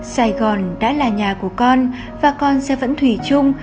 sài gòn đã là nhà của con và con sẽ vẫn thủy chung